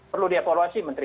perlu dievaluasi menteri